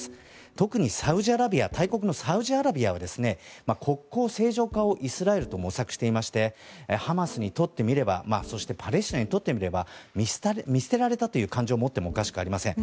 特にサウジアラビア国交正常化をイスラエルと模索していましてハマスにとってみればそしてパレスチナにとってみれば見捨てられたという感情を持ってもおかしくありません。